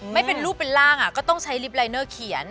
ไม่เป็นรูปเป็นร่างก็ต้องใช้ลิฟต์ลายเนอร์เขียน